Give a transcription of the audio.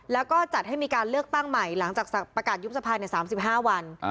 แล้วก็จัดให้มีการเลือกตั้งใหม่หลังจากประกาศยุบสภาใน๓๕วัน